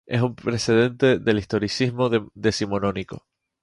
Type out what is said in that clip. Es un precedente del historicismo decimonónico.